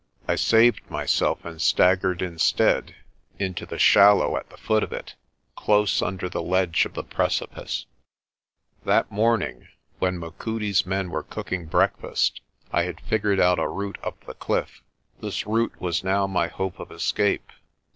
I saved myself and staggered instead into the shallow at the foot of it, close under the ledge of the precipice. 210 PRESTER JOHN That morning, when Machudi's men were cooking break fast, I had figured out a route up the cliff. This route was now my hope of escape.